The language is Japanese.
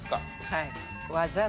はい。